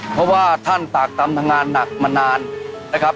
เพราะว่าท่านตากตำทำงานหนักมานานนะครับ